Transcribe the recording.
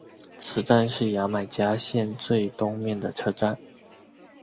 此站是牙买加线最东面的车站。